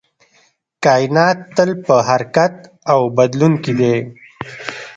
کائنات تل په حرکت او بدلون کې دی